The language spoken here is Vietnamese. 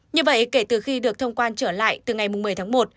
như vậy kể từ khi được thông quan trở lại từ ngày một mươi tháng một